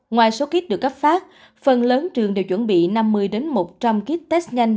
ngoài số kit được cấp phát phần lớn trường đều chuẩn bị năm mươi một trăm linh kit test nhanh